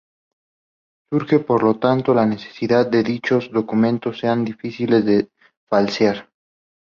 Surge por lo tanto la necesidad de que dichos documentos sean difíciles de falsear.